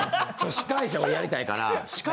司会者をやりたいから。